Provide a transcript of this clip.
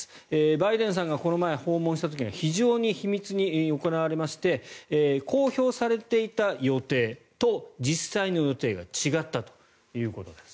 バイデンさんがこの前訪問した時には非常に秘密に行われまして公表されていた予定と実際の予定が違ったということです。